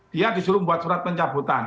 dia disuruh membuat surat pencabutan